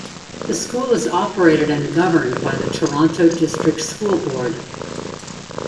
The School is operated and governed by the Toronto District School Board.